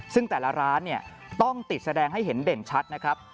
ซึ่งแต่ละร้านเนี่ยต้องติดแสดงให้เห็นเด่นชัดนะครับ